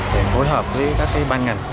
để phối hợp với các ban ngành